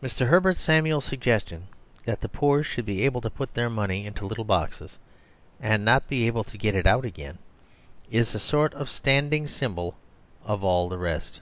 Mr. Herbert Samuel's suggestion that the poor should be able to put their money in little boxes and not be able to get it out again is a sort of standing symbol of all the rest.